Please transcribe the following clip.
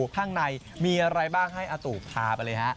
ข้างในมีอะไรบ้างให้อาตูพาไปเลยฮะ